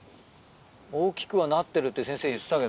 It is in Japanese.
大きくはなってるって先生言ってたけどね。